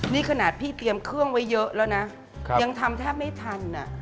นี่ขนาดพี่เตรียมเครื่องไว้เยอะแล้วนะยังทำแทบไม่ทัน